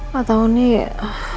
gak tau nih